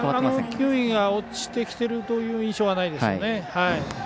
球威が落ちてきたという印象はないですね。